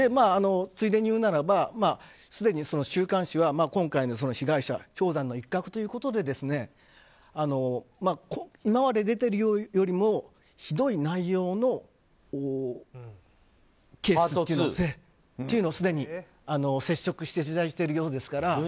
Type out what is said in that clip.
ついでに言うならすでに週刊誌は今回の被害者氷山の一角ということで今まで出ているような内容よりもひどい内容のケースというのをすでに接触して取材しているようですから。